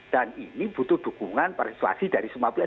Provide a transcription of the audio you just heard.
dan ini butuh dukungan partisipasi dari semua pihak